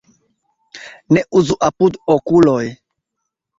Ne uzu apud okuloj.